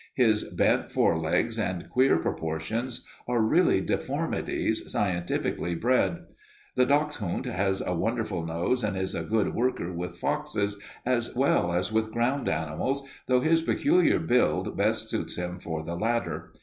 His bent forelegs and queer proportions are really deformities scientifically bred. The dachshund has a wonderful nose and is a good worker with foxes as well as with ground animals, though his peculiar build best fits him for the latter.